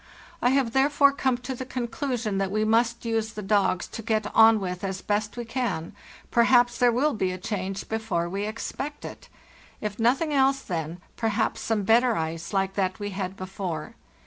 I have therefore come to the conclusion that we must use the dogs to get on with as best we can—perhaps there will be a change before we expect it; if nothing else, then, perhaps, some better ice, like that we had before.